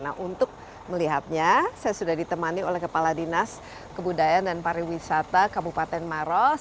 nah untuk melihatnya saya sudah ditemani oleh kepala dinas kebudayaan dan pariwisata kabupaten maros